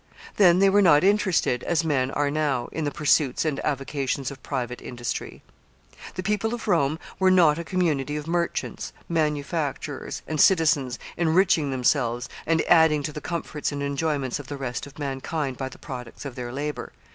Then they were not interested, as men are now, in the pursuits and avocations of private industry. The people of Rome were not a community of merchants, manufacturers, and citizens, enriching themselves, and adding to the comforts and enjoyments of the rest of mankind by the products of their labor.